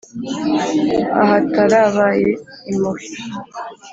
Ahatarabaye impuhwe